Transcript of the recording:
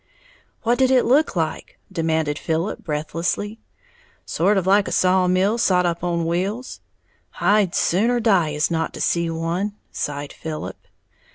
"What did it look like?" demanded Philip, breathlessly. "Sort of like a saw mill sot up on wheels." "I'd sooner die as not to see one!" sighed Philip.